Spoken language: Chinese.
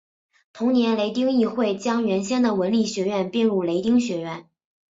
同年雷丁议会将原先的文理学院并入雷丁学院。